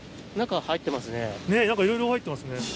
ねっ何かいろいろ入ってますね。